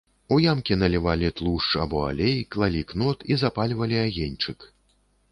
У ямкі налівалі тлушч або алей, клалі кнот і запальвалі агеньчык.